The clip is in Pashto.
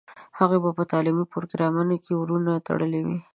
د هغوی په تعلیمي پروګرامونو کې ورونه تړلي وي.